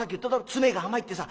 詰めが甘いってさ。